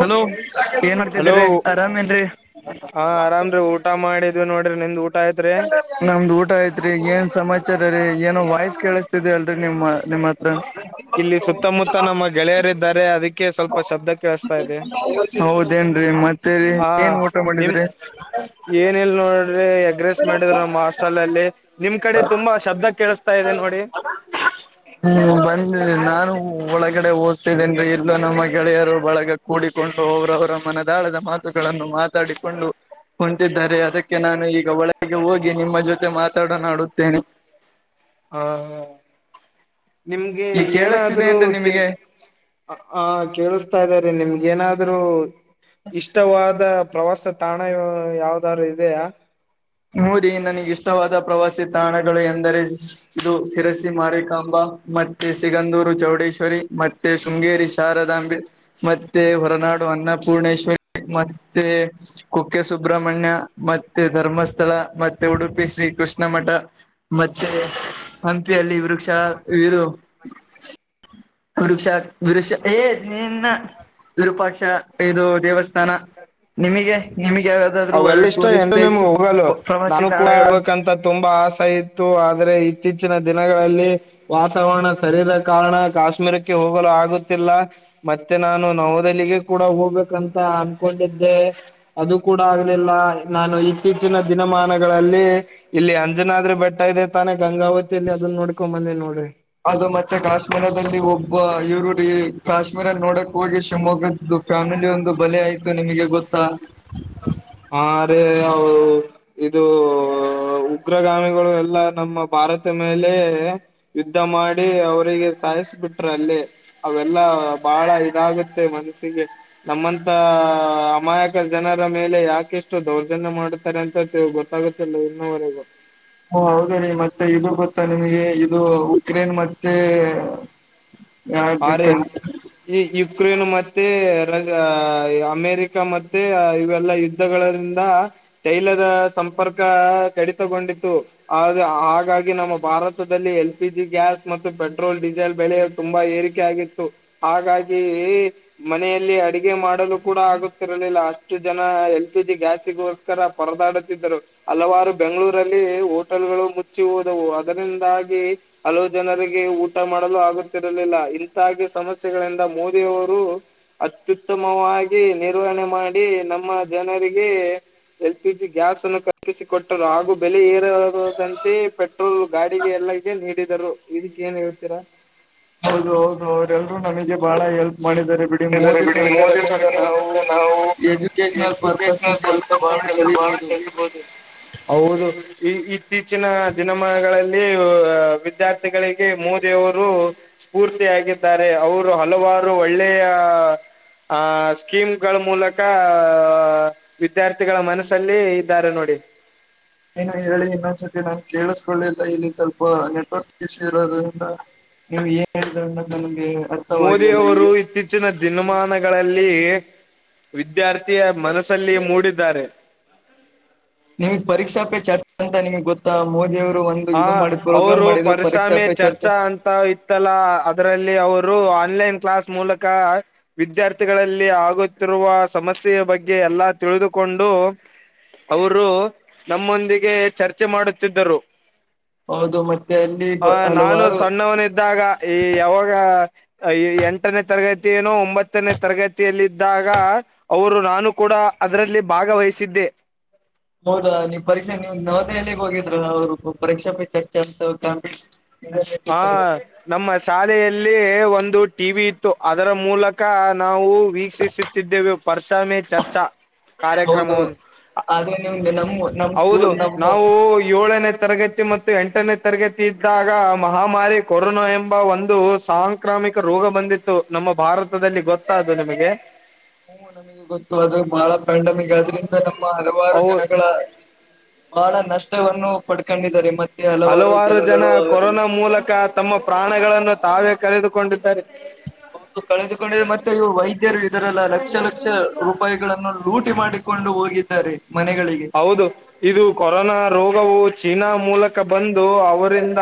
Hello ಏನ್ hello ಮಾಡ್ತಿದ್ದೀರಿ ಆರಾಮ ಏನ್ರೀ ಹಾ ಆರಾಮ್ರೀ ಊಟ ಮಾಡಿದ್ವಿ ನೋಡ್ರಿ ನಿಮ್ ಊ ನಮ್ದ ಊಟ ಐತ್ರಿ ಏನ್ ಸಮಾಚಾರ ರೀ ಏನೋ ವಾಯ್ಸ್ ಕೇಳಿಸಸ್ತಿದ ಅಲ್ರ ನಿಮ್ಮ ನಿಮ್ಮತ್ ಹ ಇಲ್ಲಿ ಸುತ್ತಮುತ್ತ ನಮ್ಮ ಗೆಳೆಯರೀದಿದ್ದಾರೆ ಅದಕ್ಕೆ ಸ್ವಲ್ಪ ಶಬ್ದ ಕೇಳಿಸ್ತಾ ಇದೆ. ಹೌದೇನ್ರೀ ಮತ್ತೇರಿ ಹಾ ಏನ್ ಊಟ ಮಾಡಿದ್ರಿ. ಅಗ್ರೆಸ್ ಮಾಡಿದ್ರು ನಮ್ಮ ಹಾಸ್ಟೆಲ್ ಅಲ್ಲಿ ನಿಮ್ಮ ಕಡೆ ತುಂಬಾ ಶಬ್ದ ಕೇಳಿಸ್ತಾ ಇದೆ ನೋಡಿ. [inaudible] ಹ್ಮ ಬಂದಿ ನಾನು ಒಳಗಡೆ ಓದ್ತಿದ್ದೇನ್ರೀ ಇಲ್ಲ ನಮ್ಮ ಗೆಳೆಯರು ಬಳಗ ಕೂಡಿಕೊಂಡು ಅವ್ರವರ ಮನದಾಳದ ಮಾತುಗಳನ್ನು ಮಾತಾಡಿಕೊಂಡು ಕುಂತಿದ್ದಾರೆ ಅದಕ್ಕೆ ನಾನು ಈಗ ಒಳಗೆ ಹೋಗಿ ನಿಮ್ಮ ಜೊತೆ ಮಾತಾಡ ನಾಡುತ್ತೇನೆ. ಹಾ ನಿಮ್ಗೆ ಈ ಕೇಳಿಸ್ತಿದೆ ಏನಾದ್ರೂ ಏನ್ರಿ ಚನ್ ನಿಮಗೆ ಹ ಕೇಳಿಸ್ತಾ ಇದೇರಿ ನಿಮ್ಗ ಏನಾದ್ರು ಇಷ್ಟವಾದ ಪ್ರವಾಸ ತಾಣ ಯಾವ್ದಾರು ಇದೆಯಾ. ಹ್ಮ ರೀ ನನಗ ಇಷ್ಟವಾದ ಪ್ರವಾಸಿ ತಾಣಗಳು ಎಂದರೆ ಇದು ಶರಸಿ ಮಾರಿಕಾಂಬಾ ಮತ್ತೆ ಸಿಗಂದೂರು ಚೌಡೇಶ್ವರಿ ಮತ್ ತ್ತೆ ಶೃಂಗೇರಿ ಶಾರದಾಂಬೆ ಮತ್ತೆ ಹೊರನಾಡು ಅನ್ನಪೂರ್ಣೇಶ್ವ ಮತ್ತೆ ಕುಕ್ಕೆ ಸುಬ್ರಹ್ಮಣ್ಯ ಮತ್ತೆ ಧರ್ಮಸ್ಥಳ ಮತ್ತ ತ್ತೆ ಉಡುಪಿ ಶ್ರೀ ಕೃಷ್ಣ ಮಠ ಮತ್ತೆ ಹಂಪಿಯಲ್ಲಿ ವೃಕ್ಷ ಇರು [inaudible] ಕುಡುಷ ವಿರುಷ ಏ ನಿನ್ನ ವಿರೂಪಾಕ್ಷ ಇದು ದೇವಸ್ಥಾನ ನಿಮಗೆ ನಿಮಗ ಯಾ ಅವೆಲ್ಲ ಇಷ್ಟ ಎಂಡ ನಿಮ ಹೋಗಲ್ಲ ಪ್ರವಾಸಿ ನಾನು ಕೂಡ ತಾಣಗಳು ಆಗ್ಬೇಕಂತ ತುಂಬಾ ಆಸೆ ಇ ತ್ತು ಆದ್ರೆ ಇತ್ತೀಚಿನ ದಿನಗಳಲ್ಲಿ ವಾತಾವರಣ ಸರಿದ ಕಾರಣ ಕಾಶ್ಮೀರಕ್ಕೆ ಹೋಗಲು ಆಗುತ್ತಿಲ್ಲ. ಮತ್ತೆ ನಾನು ನವದಲ್ಲಿಗೆ ಕೂಡ ಹೋಗ್ಬೇಕಂತ ಅನ್ಕೊಂಡಿದ್ದೆ. ಅದು ಕೂಡ ಆಗಲಿಲ್ಲ ನಾನು ಇತ್ತೀಚಿನ ದಿನಮಾನಗಳಲ್ಲಿ ಇಲ್ಲಿ ಅಂಜನಾದ್ರಿ ಬೆಟ್ಟ ಇದೆ ತಾನೇ ಗಂಗಾವತಿಯಲ್ಲಿ ಅದನ್ನ ನೋಡ್ಕೊಂಬಂದಿ ನೋಡ್ರಿ. ಅದು ಮತ್ತೆ ಕಾಶ್ಮೀರದಲ್ಲಿ ಒಬ್ಬ ಇರು ಕಾಶ್ಮೀರ ನೋಡಕ್ ಹೋಗಿ ಶಿವಮೊಗ್ಗದ ಇದು ಫ್ಯಾಮಿಲಿ ಒಂದು ಬಲೆ ಆಯ್ತು ನಿಮಗೆ ಗೊತ್ತಾ. ಹಾರಿ ಹ ಇದು ಉಗ್ರಗಾಮಿಗಳು ಎಲ್ಲ ನಮ್ಮ ಭಾರತ ಮೇಲೆ ಯುದ್ಧ ಮಾಡಿ ಅವ್ರರಿಗೆ ಸಾಯಿಸ ಬಿಟ್ರ ಅಲ್ಲಿ ಅವೆಲ್ಲಾ ಬಾಳ ಇದಾಗತ್ತೆ ಮನಸ್ಸಿಗೆ ನಮ್ಮಂತ ಅಮಾಯಕ ಜನರ ಮೇ ಇಲ್ಲ ಯಾಕಷ್ಟು ದೌರ್ಜನ್ಯ ಮಾಡುತ್ತಾರೆ ಅಂತ ಗೊತ್ತಾಗುತ್ತಿಲ್ಲ ಇನ್ನವರೆಗೂ ಓ ಹೌದ ರೀ ಮತ್ತೆ ಇದು ಗೊತ್ತಾ ನಿಮಗೆ ಇದು ಉಕ್ರೇನ್ ಮತ್ತೆ ಯಾವ್ದು ಹಾರಿ ಕಂ ಈ ಯುಕ್ರೇನ್ ಮತ್ತೆ ರ ಅಮೇರಿಕ ಮತ್ತೆ ಇವೆಲ್ಲ ಯುದ್ಧಗಳಿಂದ ತೈಲದ ಸಂಪರ್ಕ ಕಡಿತಗೊಂಡಿತ್ತು. ಆದ ಹಾಗಾಗಿ ನಮ್ಮ ಭಾರತದಲ್ಲಿ ಎಲ್ ಪಿ ಜಿ ಗ್ಯಾಸ್ ಮತ್ತು ಪೆಟ್ರೋಲ್ ಡೀಸೆಲ್ ಬೆಲೇ ತುಂಬಾ ಏರಿಕೆ ಕೆ ಆಗಿತ್ತು ಹಾಗಾಗಿ ಮನೆಯಲ್ಲಿ ಅಡಿಗೆ ಮಾಡಲು ಕೂಡ ಆಗತಿರಲಿಲ್ಲ ಅಷ್ಟು ಜನ ಎಲ್ಪಿ ಜಿ ಗ್ಯಾಸಗೂ ತರ ಪರದಾಡುತ್ತಿದ್ದರು. ಹಲವಾರು ಬೆಂಗಳೂರಲ್ಲಿ ಹೋಟೆಲ್ಗಳು ಮುಚ್ಚಿ ಹೋದವು ಅದರಿಂದಾಗಿ ಹಲವು ಜನರಿಗೆ ಊಟ ಮಾಡಲು ಆಗುತ್ತಿರಲಿಲ್ಲ ಇಂ ದಾಗಿ ಸಮಸ್ಯೆಗಳಿಂದ ಮೋದಿಯವರು ಅತ್ಯುತ್ತಮವಾಗಿ ನಿರ್ವಹಣೆ ಮಾಡಿ ನಮ್ಮ ಜನರಿಗೆ ಎಲ್ ಪಿ ಜಿ ಗ್ಯಾಸ್ ಅನ್ನು ಕಲ್ಪಿಸಿ ಕೊಟ್ಟರು ಹಾಗೂ ಬೆಲೆ ಏರಾರದಂತೆ ಪೆಟ್ ಪೆಟ್ರೋಲ್ ಗಾಡಿಗೆ ಎಲ್ಲಾ ಇದೆ ನೀಡಿದರು ಇದಕೆ ಏನ್ ಹೇಳ್ತೀರಾ. ಹೌದು ಹೌದು ಅವರೆಲ್ಲರೂ ನಮಗೆ ಬಾಳ ಹೆಲ್ಪ್ ಮಾಡಿದ್ದಾರೆ. ಬಿಡಿ ಯಾಕಂದ್ರೆ ಮೋದಿ ಬಿಡಿ ಮೋದಿ ಸರ್ಕಾರದಿಂದ ನಾವು ಸರ್ಕಾರದಿಂದ ನಾವು ಎಜುಕೇಶನಲ್ ಪರ್ಪಸ್ ಎಜುಕೇಶನಲ್ ಎಲ್ಲ ಪರ್ಪಸ್ ಬಹಳ ಕೆಲಸ ಮಾಡ್ ಕಲಿಬಹುದು ಬಹುದು ಹೌದು ಈ ಇತ್ತೀಚಿನ ದಿನಮನಗಳಲ್ಲಿ ವಿದ್ಯಾರ್ಥಿಗಳಿಗೆ ಮೋದಿಯವರು ಸ್ಪೂರ್ತಿಯಾಗಿದ್ದಾರೆ ಅವರು ಹಲವಾರು ಒಳ್ಳೆಯ [inaudible] ಆ ಸ್ಕೀಮ್ ಗಳ ಮೂಲಕ ವಿದ್ಯಾರ್ಥಿಗಳ ಮನಸ್ಸಲ್ಲಿ ಇದ್ದಾರೆ ನೋಡಿ. ಏನು ಹೇಳಿ ಇನ್ನೊಂದ್ಸತಿ ನಾನ್ ಕೇಳಿಸ್ಕೊಳತಿಲ್ಲ ಇಲ್ಲಿ ಸ್ವಲ್ಪ ನೆಟ್ವರ್ಕ್ ಇಶ್ಯೂ ಇರೋದ್ರಿಂದ. ನೀವು ಏನ್ ಹೇಳಿದ್ರೆ ಅಂದ್ರೆ ನನಗೆ ಅರ್ಥವಾಗ್ಲಿಲ್ಲ ಈಗ ಹೆಚ್ಚಿನ ದಿನಮಾನಗಳಲ್ಲಿ ವಿದ್ಯಾರ್ಥಿಯ ಮನಸಲ್ಲಿ ಮೂಡಿದ್ದಾರೆ. ನಿಮಗ್ ಪರೀಕ್ಷಾ ಪೇ ಚರ್ಚ್ ಅಂತ ನಿಮಗ್ ಗೊತ್ತಾ ಮೋದಿ ಅವರು ಒಂದ್ ಹ ಅವರು ಪರಿಸಾಮೆ ಚರ್ಚೆ ಚರ್ಚಾ ಅಂತ್ ತ್ತ ಇತ್ತಲ್ಲಾ ಅದ್ರಲ್ಲಿ ಅವರು ಆನ್ಲೈನ್ ಕ್ಲಾಸ್ ಮೂಲಕ. ವಿದ್ಯಾರ್ಥಿಗಳಲ್ಲಿ ಆಗುತ್ತಿರುವ ಸಮಸ್ಯೆಯ ಬಗ್ಗೆ ಎಲ್ಲಾ ತಿಳಿದುಕೊಂಡು. ಅವರು ನಮ್ಮೊಂದಿಗೆ ಚರ್ಚೆ ಮಾಡುತ್ತಿದ್ದರು. ಹೌದು ಮತ್ತ್ ಆ ನಾನು ಸಣ್ಣವನಿದ್ದಾಗ ಈ ಯಾವಾಗ ಅ ಎಂಟನೇ ತರಗತಿ ಏನೋ ಒಂಬತ್ತನೇ ತರಗತಿಯಲ್ಲಿದ್ದಾಗ- ಅವರು ನಾನು ಕೂಡ ಅದರಲ್ಲಿ ಭಾಗವಹಿಸಿದ್ದೆ. ಹೌದಾ ನೀವು ಪರೀಕ್ಷೆ ನೀವು ನವದೆಹಲಿಗೆ ಹೋಗಿದ್ರ ಅವರ್ ಪರೀಕ್ಷಾ ಪೈ ಚರ್ಚೆ ಅಂತಾ. ಹಾ ನಮ್ಮ ಶಾಲೆಯಲ್ಲಿ ಒಂದು ಟಿ ವಿ ಇತ್ತು ಅದರ ಮೂಲಕ ನಾವು ವೀಕ್ಷಿಸಿಸ್ ತಿದ್ದೇವು ಪರ್ಸ ಮೇ ಚರ್ಚಾ ಹೌದು ಕಾರ್ಯಕ್ರಮವನ್ನು ಆದ್ರಲ್ಲಿ ಒಂದ್ ನಮ್ಮ್ ಹೌದು ನಾವು ಏಳೋನೆ ತರಗತ್ ತಿ ಮತ್ತು ಎಂಟನೇ ತರಗತಿ ಇದ್ದಾಗ ಮಹಾಮಾರಿ ಕೊರೋನಾ ಎಂಬ ಒಂದು ಸಾಂಕ್ರಾಮಿಕ ರೋಗ ಬಂದಿತ್ತು. ತ್ತು ನಮ್ಮ ಭಾರತದಲ್ಲಿ ಗೊತ್ತ ಅದು ನಿಮಗೆ. ಹ್ಮ ನಮಗೆ ಗೊತ್ತು ಅದು ಬಹಳ ಪ್ಯಾಂಡಮಿಕ್ ಆದ್ರಿಂದ ನಮ್ಮ ಹಲವಾರು ಅವು ಜನಗಳ ಬಹಳ ನಷ್ಟವನ್ನು ಪಡ್ಕೊಂಡಿದ್ದಾರೆ ಮತ್ ಹಲವಾರು ಜನ ಕೊರೋನಾ ಮೂಲಕ ತಮ್ಮ ಪ್ರಾಣಗಳನ್ನು ತಾವೇ ಕಳೆದುಕೊಂಡಿದ್ದಾರೆ. ಹೌದು ಕಳೆದುಕೊಂಡಿದೆೆ ಮತ್ತೆ ಇವು ವೈದ್ಯರು ಇದರಲ್ಲ ಲಕ್ಷ ಲಕ್ಷ ರೂಪಾಯ್ ಗಳನ್ನು ಲೂಟಿ ಮಾಡಿಕೊಂಡು ಹೋಗಿದ್ದಾರೆ ಮನೆಗಳಿಗೆ. ಹೌದು ಇದು ಕೊರೋನಾ ರೋಗವು ಚೀನಾ ಮೂಲಕ ಬಂದು ಅವರಿಂದ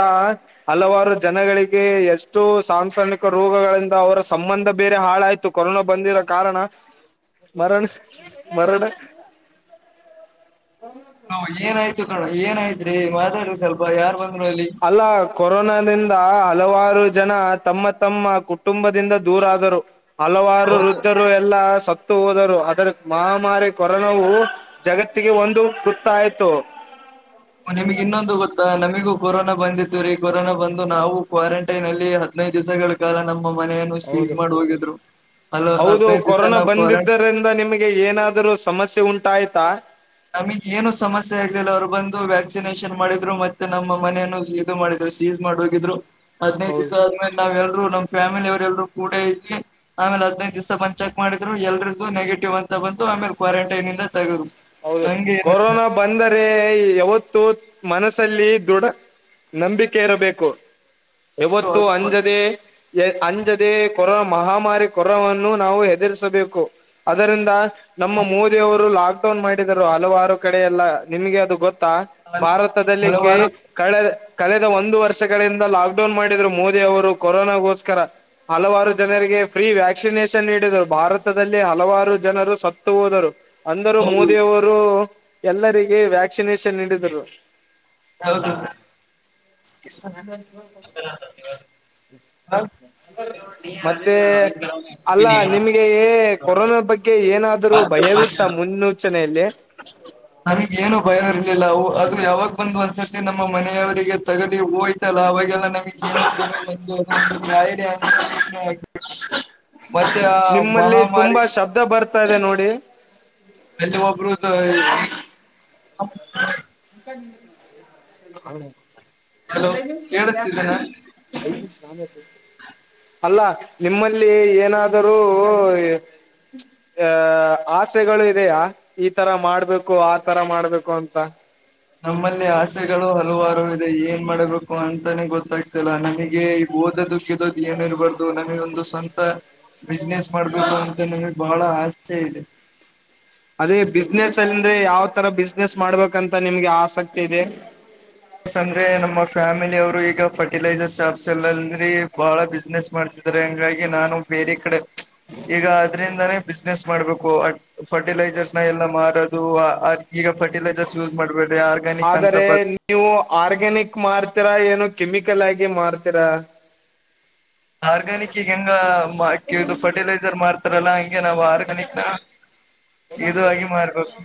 ಹಲವಾರು ಜನಗಳಿಗೆ ಎಷ್ಟು ಸಾಂಸಮಿಕ ರೋಗಗಳಿಂದ ಅವರ ಸಂಬಂಧ ಬೇರೆ ಹಾಳಾಯ್ತು. ಕೊರೋನಾ ಬಂದಿರೋ ಕಾರಣ ಮರಣ ಮರಣ ಹಾ ಏನಾಯ್ತು ಕಣ್ ಏನಾಯ್ತ್ ರೀ ಮಾತಾಡು ಸ್ವಲ್ಪ ಯಾರ್ ಬಂದ್ರು ಅಲ್ಲಿ. ಅಲ್ಲಾ ಕೊರೋನಾದಿಂದ ಹಲವಾರು ಜನ ತಮ್ಮ ತಮ್ಮ ಕುಟುಂಬದಿಂದ ದೂರ ಆದರು. ಹಲವಾರು ಹೌದು ವೃದ್ಧರು ಎಲ್ಲಾ ಸತ್ತು ಹೋದರು. ಅದರ ಮಹಾಮಾರಿ ಕೊರೋನಾವು. ಜಗತ್ತಿಗೆ ಒಂದು ಕುತ್ತ ಆಯ್ತು. ನಿಮ್ಗ್ ಇನ್ನೊಂದು ಗೊತ್ತಾ ನಮಗೂ ಕೊರೋನಾ ಬಂದಿತ್ತು ರೀ ಕೊರೋನಾ ಬಂದು ನಾವು ಕ್ವಾರಂಟೈನ್ ಅಲ್ಲಿ ಹದ್ನೈದು ದಿವಸಗಳು. ಈ ಕಾಲ ನಮ್ಮ ಮನೆಯನ್ನು ಸೀಜ್ ಹೌದು ಮಾಡ್ ಹೋಗಿದ್ರು ಅ ಹದ್ನೈದು ದಿವಸ ನಾವು ಕೋರೆಂಟ್. ಇಂದ ನಿಮಗೆ. ಹೇ ಏನಾದ್ರು ಸಮಸ್ಯೆ ಉಂಟಾಯ್ತಾ? ನಮಗ್ ಏನು ಸಮಸ್ಯೆ ಆಗ್ಲಿಲ್ಲ ಅವ್ರು ಬಂದು ವ್ಯಾಕ್ಸಿನೇಷನ್ ಮಾಡಿದ್ರು ಮತ್ತೆ ನಮ್ಮ ಮನೆಯನು. ಮಾಡಿದ್ರು ಸಿಜ್ ಮಾಡಿ ಹೋಗಿದ್ರು ಹದ್ನೈದು ಹೌದು ದಿವ್ಸ ಆದ್ಮೇಲೆ ನಾವೆಲ್ಲರೂ ನಮ್ ಫ್ಯಾಮಿಲಿಯವ್ರ ಎಲ್ರು ಕೂಡ ಇದ್ವಿ ಆಮೇಲೆ ಐದಿನೈದಿವಸ ಬಂದ ಚೆಕ್ ಮಾಡಿದ್ರು ಎಲ್ರದ್ದು ನೆಗೆಟಿವ್ ಅಂತ ಬಂತ್ತು ಆಮೇಲೆ ಕ್ವಾರಂಟೈನ್ ಇಂದ ತಗರು. ಹೌದು ಕೊರೋನಾ ಬಂದರೆ ಯಾವತ್ತು ಮನಸಲ್ಲಿ ದೃಡ. ನಂಬಿಕೆ ಇರಬೇಕು ಹೌದು ಯಾವತ್ತು ಅದು ಅಂಜದೇ ಎ ಅಂಜದೇ ಕೊರೋನಾ ಮಹಾಮಾರಿ ಕೊರನಾ ವನ್ನು ನಾವು ಹೆದರಿಸಬೇಕು. ಅದರಿಂದ. ನಮ್ಮ ಮೋದಿ ಅವರು ಲಾಕ್ ಡೌನ್ ಮಾಡರು ಹಲವಾರು ಕಡೆ ಎಲ್ಲಾ ನಿಮ್ಗೆ ಅದು ಗೊತ್ತಾ? ಭಾರತದಲ್ಲಿ ಕೆ ಹಲವಾರು ಕಳೆ. ಕಳೆದ ಒಂದು ವರ್ಷಗಳಿಂದ ಲಾಕ್ಡೌನ್ ಮಾಡಿದ್ರು ಮೋದಿ ಅವರು ಕೊರೋನಾಗೋಸ್ಕರ. ಹಲವಾರು ಜನರಿಗೆ ಫ್ರೀ ವ್ಯಾಕ್ಸಿನೇಷನ್ ನೀಡಿದರು ಭಾರತದಲ್ಲಿ ಹಲವಾರು ಜನರು ಸತ್ತು ಹೋದರು. ರು ಹೌದು ಮೋದಿ ಅವರು ಎಲ್ಲರಿಗೆ ವ್ಯಾಕ್ಸಿನೇಷನ್ ನೀಡಿದರು. ಹೌದು [unintelligible] ಹ್ಮ್ [unintelligible] [inaudible] ಮತ್ತೆ ಅಲ್ಲ ನಿಮ್ಗೆ ಎ ಕೊರೋನಾ ಬಗ್ಗೆ. ಕೆ ಏನಾದರು ಭಯವಿತ್ತ ಮುನ್ನೂಚನೆಯಲ್ಲಿ ನಮಗ್ ಏನು ಭಯ ಇರ್ಲಿಲ್ಲ ಅವು ಊ ಯಾವಾಗ ಬಂದು ಒಂದ್ಸತಿ ನಮ್ಮ ಮನೆಯವರಿಗೆ ತಗಲಿ ಹೋಯ್ತಲ್ಲ ಅವಾಗೆಲ್ಲ ನಮಗೆ ಗ [unintelligible] ಮತ್ತೆ [unintelligible] ನಿಮ್ಮಲ್ಲಿ ತುಂಬಾ ಶಬ್ದ ಬರ್ತಾ ಇದೆ ನೋಡಿ ಅಲ್ಲಿ ಒಬ್ಬರುದು ಹ [inaudible] ಹಲೋ ಒಂದಐ ನತ್ ಕೇಳಿಸ್ತಿದ್ದೇನಾ [inaudible] ಐದು ಶ ನಾಮ [inaudible] ಅಲ್ಲ ನಿಮ್ಮಲ್ಲಿ ಏನಾದರೂ ಅ ಆಸೆಗಳು ಇದೆಯಾ ಈ ತರ ಮಾಡ್ಬೇಕು ಆ ತರ ಮಾಡ್ಬೇಕು ಅಂತ. ನಮ್ಮಲ್ಲಿ ಆಸೆಗಳು ಹಲವಾರು ಇದೆ ಏನ್ ಮಾಡ್ಬೇಕು ಅಂತಾನೆ ಗೊತ್ತಾ ಇಲ್ಲ ಲ್ಲಾ ನಮಗೆ ಓದ ಗೀದುದು ಏನು ಇರ್ಬಾರ್ದು ನಮಗೆ ಒಂದು ಸ್ವಂತ ಬಿಸ್ನೆಸ್ ಮಾಡ್ಬೇಕು ಅಂತ ನಮಗ್ ಬಹಳ ಆಸೆ ಇದೆ ಅದೇ ಬಿಸ್ನೆಸ್ ಅಂದ್ರೆ ಯಾವ್ ತರ ಬಿಸ್ನೆಸ್ ಮಾಡ್ಬೇಕಂತ ನಿಮ್ಗೆ ಆಸಕ್ತಿ ಇದೆ ಸ್ ಅಂದ್ರೆ ನಮ್ಮ ಫ್ಯಾಮಿಲಿ ಅವರು ಈಗ ಫರ್ಟಿಲೈಸರ್ ಶಾಪ್ಸ್ ಎಲ್ಲ ಅ ಬಹಳ ಬಿಸ್ನೆಸ್ ಮಾಡ್ತದಿದ್ರು ಹಂಗಾಗಿ ನಾನು ಬೇರೆ ಕಡೆ ಈಗ ಅದ್ರಿಂದಾನೇ ಬಿಸ್ನೆಸ್ ಮಾಡ್ಬೇಕು ಫರ್ಟಿಲೈಸರ್ಸ್ ನ ಎಲ್ಲ ಮಾರೋದು ಈಗ ಫಟಿಲೈಸರ್ಸ್ ಯೂಸ್ ಮಾಡ್ಬೇರಿ ಆದರೆ ನೀವು ಆರ್ಗ್ಯಾನಿಕ್ ಮಾಡ್ರಿರ ಏನು ಕೆಮಿಕಲ್ ಆಗಿ ಮಾರ್ತೀರಾ ಆರ್ಗ್ಯಾನಿಕ್ ಈಗ ಹೆಂಗ ಇದು ಫರ್ಟಿಲೈಸರ್ ಮಾಡ್ತ ಅ [unintelligible] ಲ್ಲ ಹಂಗೆ ನಾವ್ ಆರು ಮನಕ್ನ ಇದಾಗಿ ಮಾರ್ಬೇಕು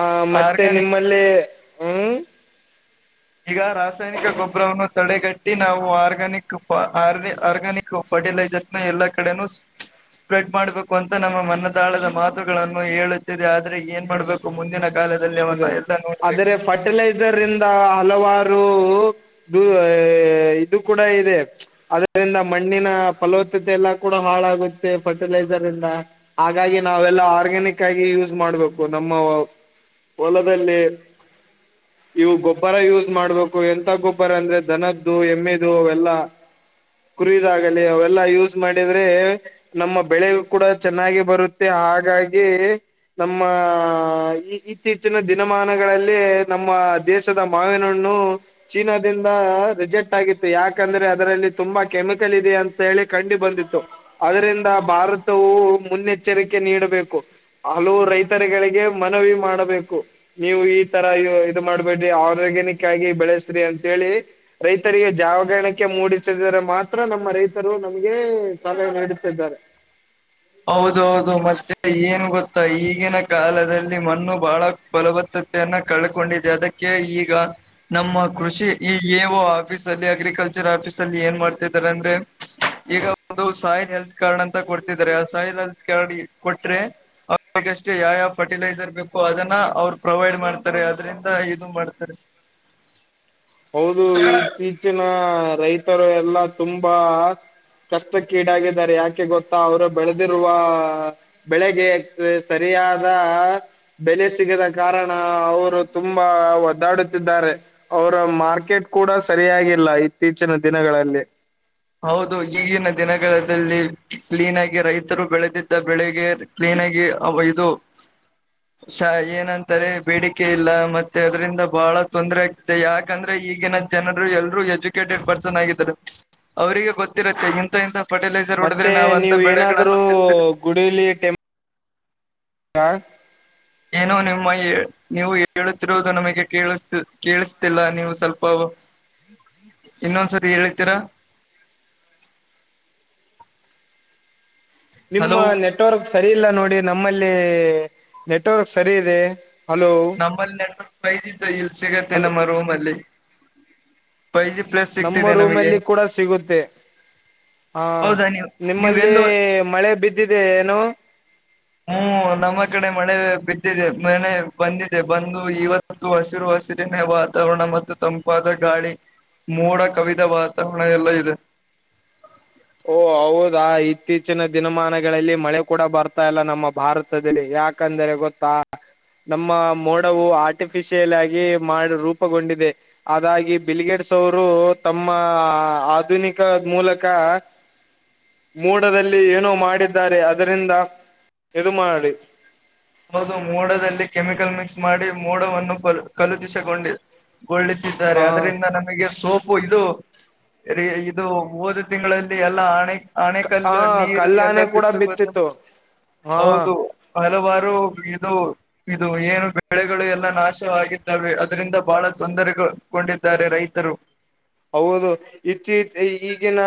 ಆ ಮತ್ತೆ ಆರ್ಗ್ಯಾನಿಕ್ ನಿಮ್ಮಲ್ಲಿ ಹ್ಮ್ ಈಗ ರಾಸಾಯನಿಕ ಗೊಬ್ಬರವನ್ನು ತಡೆಗಟ್ಟಿ ನಾವು ಆರ್ಗ್ಯಾನಿಕ್ ಫ ಆರ್ಗ್ಯಾನಿಕ್ ಫರ್ಟಿಲೈಸರ್ಸ್ ಎಲ್ಲಾ ಕಡೆನೂ ಸ್ಪ್ರೆಡ್ ಮಾಡ್ಬೇಕು ಅಂತ ನಮ್ಮ ಮನದಾಳದ ಮಾತುಗಳನ್ನು ಹೇಳುತ್ತಿದೆ ಆದ್ರೆ ಏನ್ ಮಾಡ್ಬೇಕ್ ಮುಂದಿನ ಕಾಲದಲ್ಲಿ ಅವ್ರನ್ನ ಅದೇ ಎಲ್ಲಾ ನೋಡ್ಬೇಕು. ಆದರೆ ಫರ್ಟಿಲೈಸರ್ ಇಂದ ಹಲವಾರು ದು ಇದು ಕೂಡ ಇದೆ. ಅದರಿಂದ ಮಣ್ಣಿನ ಫಲವತ್ತತೆ ಎಲ್ಲಾ ಕೂಡ ಹಾಳಾಗುತ್ತೆ ಫರ್ಟಿಲೈಸರ್ ಇಂದ. ಹಾಗಾಗಿ ನಾವೆಲ್ಲಾ ಆರ್ಗ್ಯಾನಿಕ್ ಆಗಿ ಯೂಸ್ ಮಾಡ್ಬೇಕು ನಮ್ಮ ಹೊಲದಲ್ಲಿ [unintelligible] ಇವು ಗೊಬ್ಬರ ಯೂಸ್ ಮಾಡ್ಬೇಕು ಎಂತ ಗೊಬ್ಬರ ಅಂದ್ರೆ ದನದ್ದು ಎಮ್ಮೆದು ಎಲ್ಲಾ. ಕುರದಾಗಲಿ ಅವೆಲ್ಲಾ ಯೂಸ್ ಮಾಡಿದ್ರೆ ನಮ್ಮ ಬೆಳೆಯೂ ಕೂಡ ಚೆನ್ನಾಗಿ ಬರುತ್ತೆ ಹಾಗಾಗಿ ನಮ್ಮ ಈ ಇತ್ತೀಚಿನ ದಿನಮಾನಗಳಲ್ಲಿ ನಮ್ಮ ದೇಶದ ಮಾವಿನಹಣ್ಣು ಚೀನಾದಿಂದ ರಿಜೆಕ್ಟ್ ಆಗಿತ್ತು ಯಾಕಂದ್ರೆ ಅದರಲ್ಲಿ ತುಂಬಾ ಕೆಮಿಕಲ್ ಇದೆ ಅಂತ ಹೇಳಿ ಕಂಡು ಬಂದಿತ್ತು. ಅದರಿಂದ ಭಾರತವು ಮುನ್ನೆಚ್ಚರಿಕೆ ನೀಡಬೇಕು. ಹಲವು ರೈತರಗಳಿಗೆ ಮನವಿ ಮಾಡಬೇಕ್ ಕು ನೀವು ಈ ತರ ಇದು ಮಾಡ್ಬೇಡ್ರಿ ಆರ್ಗ್ಯನಿಕ್ ಆಗಿ ಬೆಳೆಸ್ರಿ ಅಂತ ಹೇಳಿ ರೈತರಿಗೆ ಜಾವಗಾಣಿಕೆ ಮೂಡಿಸಿದರೆ ಮಾತ್ರ ನಮ್ಮ ರೈತರು ನಮ್ಗೆ ಸಲಹೆ ನೀಡುತ್ತಿದ್ದಾರೆ. ಹೌದ ಹೌದು ಮತ್ತೆ ಏನು ಗೊತ್ತಾ ಈಗಿನ ಕಾಲದಲ್ಲಿ ಮಣ್ಣು ಬಹಳ ಫಲವತ್ತತೆಯನ್ನ ಕಳ್ಕೊಂಡಿದ್ದೆ ಅದಕ್ಕೆ ಈಗ ನಮ್ಮ ಕೃಷಿ ಎ ಓ ಆಫೀಸ ಅಲ್ಲಿ ಅಗ್ರಿಕಲ್ಚರ್ ಆಫೀಸ್ ಅಲ್ಲಿ ಏನ್ ಮಾಡತ್ತಿದ್ದಾರೆ ಅಂದ್ರೆ. ಈಗ ಒಂದು ಸಾಯಿಲ್ ಹೆಲ್ತ್ ಕಾರ್ಡ್ ಅಂತ ಕೊಡ್ತಿದಿದ್ದಾರೆ ಆ ಸಾಯಿಲ್ ಹೆಲ್ತ್ ಕಾರ್ಡ್ ಕೊಟ್ರೆ ಅವ್ರಗಷ್ಟೇ ಯಾವ್ಯಾವ ಫರ್ಟಿಲೈಸರ್ ಬೇಕೋ ಅದನ್ನ ಅವ್ರು ಪ್ರೊವೈಡ್ ಮಾಡ್ತಾರೆ ಅದ್ರಿಂದ ಇದು ಮಾಡ್ತಾರೆ. ಹೌದು ಇತ್ತೀಚಿನ ರೈತರು ಎಲ್ಲಾ ತುಂಬಾ ಕಷ್ಟಕ್ಕೀಡಾಗಿದ್ದಾರೆ ಯಾಕೆ ಗೊತ್ತಾ ಅವರು ಬೆಳೆದಿರುವ ಬೆಳೆಗೆ ಸರಿಯಾದಾ ಬೆಲೆ ಸಿಗದ ಕಾರಣ ಅವರು ತುಂಬಾ ಒದ್ದಾಡುತ್ತಿದ್ದಾರೆ. ಅವರ ಮಾರ್ಕೆಟ್ ಕೂಡ ಸರಿಯಾಗಿಲ್ಲ ಇತ್ತೀಚಿನ ದಿನಗಳಲ್ಲಿ. ಹೌದು ಈಗಿನ ದಿನಗದಲ್ಲಿ ಕ್ಲೀನ್ ಆಗಿ ರೈತರು ಬೆಳೆದಿದ್ದ ಬೆಳೆಗೆ ಪ್ಲೇನ್ ಆಗಿ ಅವು ಐದು ಶ ಏನಂತಾರೆ ಬೇಡಿಕೆ ಇಲ್ಲ ಮತ್ತೆ ಅದರಿಂದ ಬಹಳ ತೊಂದರೆ ಆಗ್ತೆ ಯಾಕೆಂದ್ರೆ ಈಗಿನ ಜನರು ಎಲ್ರೂ ಎಜುಕೇಟೆಡ್ ಪರ್ಸನ್ ಆಗಿದ್ದಾರೆ ಅವರಿಗೆ ಗೊತ್ತಿರುತ್ತೆ ಇಂಥ ಇಂಥ ಫರ್ಟಿಲೈಸರ್ ಹೊಡಿದ್ರಿ ಮತ್ತೆ ನಾವು ಅಂತಾ ನೀವು ಏನಾದ್ರೂ ಬೆಳೆಗಳನ್ನ ತಿಂದಿದ್ರೆ ಗುಡಿಲಿ ಟೆಂ ಹಾ [unintelligible] ಏನೋ ನಿಮ್ಮಗೆ ನೀವು ಹೇಳುತ್ತಿರುವುದು ನಮಗೆ ಕೇಳಿಸುತ್ತಿಲ್ಲ ಕೇಳಿಸ್ತಿಲ್ಲ ನೀವು ಸ್ವಲ್ಪ ಇನ್ನೊಂದ್ ಸತಿ ಹೇಳಿತ್ತೀರಾ. ನಿಮ್ಮ ಹಲೋ ನೆಟ್ವರ್ಕ್ ಸರಿ ಇಲ್ಲ ನೋಡಿ ನಮ್ಮಲ್ಲಿ ನೆಟ್ವರ್ಕ್ ಸರಿ ಇದೆ. ಹಲೋ ನಮ್ಮಲ್ಲಿ ನೆಟ್ ವರ್ಕ್ ಇ ಸಿಗತ್ತೆ ಹಲೋ ನಮ್ಮ ರೂಮ್ ಅಲ್ಲಿ. ಫೈ ಜಿ ಪ್ಲಸ್ ನಮ್ಮ ಸಿಗ್ತಿದೆ ರೂಮ ನಮಗೆ ಅಲ್ಲಿ ಕೂಡ ಸಿಗುತ್ತೆ. ಹಾ ಹೌದಾ ನೀವು ನೀವ್ ನಿಮ್ಮಲ್ಲಿ ಎಲ್ಲೋ ಮಳೆ ಬಿದ್ದಿದೆ ಏನು. ಹ್ಮ್ ನಮ್ಮ ಕಡೆ ಮಳೆ ಬಿದ್ದಿದೆ ನೆನ್ನೆ ಬಂದಿದೆ ಬಂದು ಇವತ್ತು ತ್ತು ಹಸಿರು ಹಸಿರಿನ ವಾತಾವರಣ ಮತ್ತು ತಂಪಾದ ಗಾಳಿ. ಮೋಡ ಕವಿದ ವಾತಾವರಣ ಎಲ್ಲಾ ಇದೆ. ಓ ಹೌದಾ ಇತ್ತೀಚಿನ ದಿನಮಾನಗಳಲ್ಲಿ ಮಳೆ ಕೂಡ ಬರ್ತಾ ಇಲ್ಲ ನಮ್ಮ ಭಾರತ್ ತದಲಿ ಯಾಕಂದ್ರೆ ಗೊತ್ತಾ ನಮ್ಮ ಮೋಡವು ಆರ್ಟಿಫಿಶಿಯಲ್ ಆಗಿ ಮಾಡ ರೂಪಗೊಂಡಿದೆ. ಆದಾಗಿ ಬಿಲ್ಗೇಡ್ಸ್ ಅವರು ತಮ್ಮ ಆಧುನಿಕ ಮೂಲಕ ಮೂಡದಲ್ಲಿ ಏನೋ ಮಾಡಿದ್ದಾರೆ ಅದರಿಂದ ಇದು ಮಾಡಿ ಹೌದು ಮೋಡದಲ್ಲಿ ಕೆಮಿಕಲ್ ಮಿಕ್ಸ್ ಮಾಡಿ ಮೋಡವನ್ನು ಕ ಕಲುತಿಸಕೊಂಡಿ ಗೊಳ್ಳಿಸಿ ಹ ದಾರೆ ಅದರಿಂದ ನಮಗೆ ಸೋ ಇದು ಇದು ಓದ ತಿಂಗಳಲ್ಲಿ ಎಲ್ಲಾ ಆಣೆ ಆಣೆ ಹ ಕಲ್ಲು ನೀರು ಎಲ್ಲಾ ಕಲ್ಲಾನೆ ಕೂಡ ಬಿತ್ತ ಗೊತ್ತು ಬಿತ್ತಿತ್ತು ಹಾ ಹೌದು ಹಲವಾರು [unintelligible] ಇದು ಇದು ಏನು ಬೆಳೆಗಳು ಎಲ್ಲಾ ನಾಶವಾಗಿದ್ದಾವೆ ಅದರಿಂದ ಬಹಳ ತೊಂದರೆಗೊಂಡಿದ್ದಾರೆ ರೈತರು ಹೌದು. ಇಚ್ಚಿ ಈಗಿನ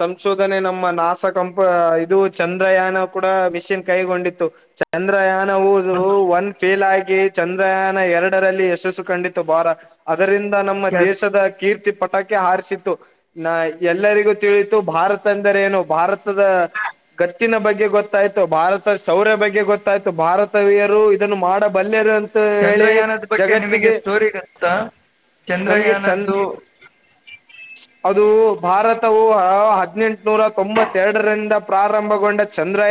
ಸಂಶೋಧನೆ ನಮ್ಮ ನಾಸ ಕಂಪ ಇದು ಚಂದ್ರಯಾನ ಕೂಡ ಮಷನ್ ಕೈಗೊಂಡಿತ್ತು ಚಂದ್ರಯಾನ ಊದು ಹೌದು ಒಂದ್ ಫೇಲ್ ಆಗಿ ಚಂದ್ರಯಾನ ಎರಡರಲ್ಲಿ ಯಶಸ್ಸು ಕಂಡಿತ್ತು ಬಾರ್ ಅದರಿಂದ ನಮ್ಮ ದೇಶದ ಕೀರ್ತಿ ಪತಾಕಿ ಹಾರಸಿತ್ತು ನಾ ಎಲ್ಲರಿಗೂ ತಿಳಿತು ಭಾರತ ಅಂದರೆ ಏನು ಭಾರತದ ಖರ್ಚಿನ ಬಗ್ಗೆ ಗೊತ್ತಾಯ್ತು ಭಾರತ ಶೌರ್ಯ ಬಗ್ಗೆ ಗೊತ್ತಾಯ್ತು ಭಾರತವೀಯರು ಇದನ್ನು ಮಾಡಬಲ್ಲರು ತ್ತ ಹೇಳಿ ಚಂದ್ರಯಾನದ ಬಗ್ಗೆ ಜಗತ್ತಿಗೆ ನಿಮಗೆ ಸ್ಟೋರಿ ಗೊತ್ತಾ ನಮಗೆ ಚಂದ್ ಚಂದ್ರಯಾನದ್ದು ಅದು ಭಾರತವು ಹ ಹದ್ನೆಂಟನೂರ ತೊಂಬತ್ತೆರಡರಿಂದ ಪ್ರಾರಂಭಗೊಂಡ ಚಂದ್ರ